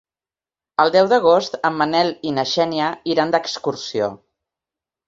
El deu d'agost en Manel i na Xènia iran d'excursió.